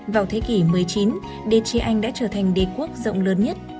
vào thế kỷ một mươi chín địa chỉ anh đã trở thành địa quốc rộng lớn nhất